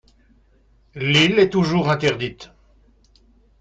L'île est toujours interdite.